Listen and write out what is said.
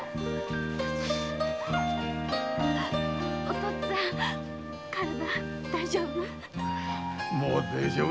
お父っつぁん体大丈夫？